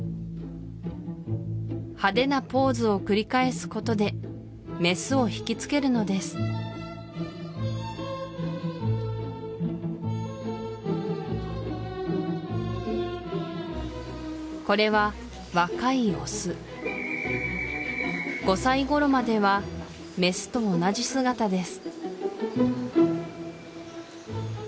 派手なポーズを繰り返すことでメスをひきつけるのですこれは若いオス５歳ごろまではメスと同じ姿です